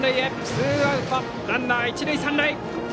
ツーアウトランナー、一塁三塁。